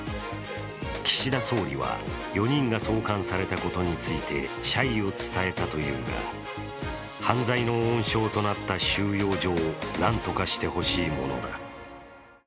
岸田総理は４人が送還されたことについて謝意を伝えたというが、犯罪の温床となった収容所をなんとかしてほしいものだ。